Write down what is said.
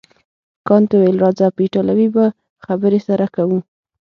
کانت وویل راځه په ایټالوي به خبرې سره کوو.